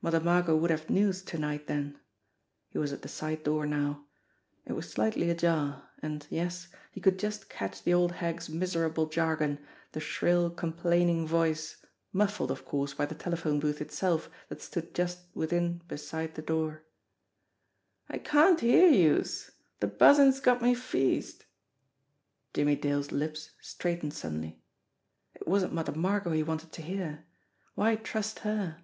Mother Margot would have news to night, then] He was at the 230 JIMMIE DALE AND THE PHANTOM CLUE side door now. It was slightly ajar; and, yes, he could just catch the old hag's miserable jargon, the shrill, com plaining voice, muffled, of course, by the telephone booth itself that stood just within beside the door : "I can't hear youse. De buzzin's got me feazed." Jimmie Dale's lips straightened suddenly. It wasn't Mother Margot he wanted to hear. Why trust her?